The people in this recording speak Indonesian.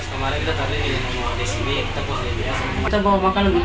kita bawa makanan dulu dari tadi satu dua jam baru datang di wajah ke lain